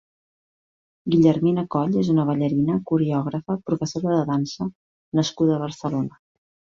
Guillermina Coll és una ballarina, coreògrafa, professora de dansa nascuda a Barcelona.